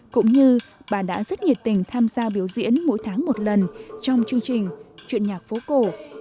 cũng như bà đã rất nhiệt tình tham gia biểu diễn mỗi tháng một lần trong chương trình chuyện nhạc phố cổ